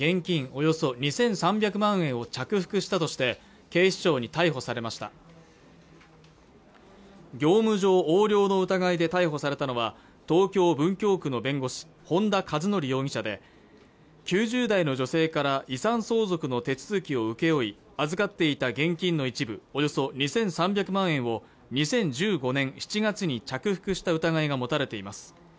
およそ２３００万円を着服したとして警視庁に逮捕されました業務上横領の疑いで逮捕されたのは東京・文京区の弁護士本田一則容疑者で９０代の女性から遺産相続の手続きを請け負い預かっていた現金の一部およそ２３００万円を２０１５年７月に着服した疑いが持たれています